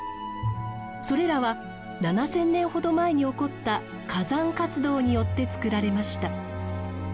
それらは７，０００年ほど前に起こった火山活動によってつくられました。